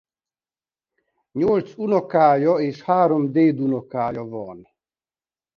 Nyolc unokája és három dédunokája van.